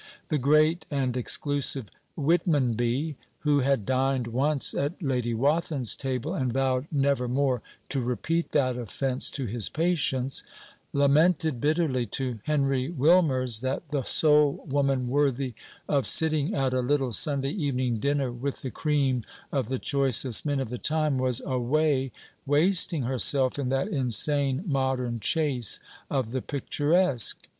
The great and exclusive Whitmonby, who had dined once at Lady Wathin's table, and vowed never more to repeat that offence to his patience, lamented bitterly to Henry Wilmers that the sole woman worthy of sitting at a little Sunday evening dinner with the cream of the choicest men of the time was away wasting herself in that insane modern chase of the picturesque!